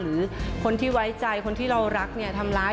หรือคนที่ไว้ใจคนที่เรารักเนี่ยทำร้าย